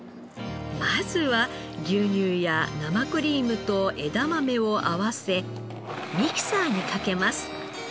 まずは牛乳や生クリームと枝豆を合わせミキサーにかけます。